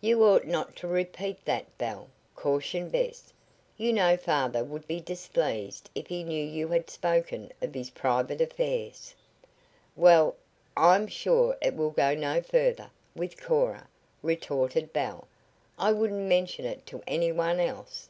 "You ought not to repeat that, Belle," cautioned Bess. "You know father would be displeased if he knew you had spoken of his private affairs." "Well, I'm sure it will go no further with Cora," retorted Belle. "I wouldn't mention it to any one else."